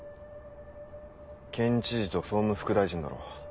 県知事と総務副大臣だろ。